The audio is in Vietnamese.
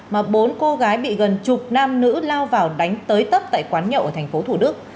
mà bốn cô gái bị gần chục nam nữ lao vào đánh tới tấp tại quán nhậu ở tp thủ đức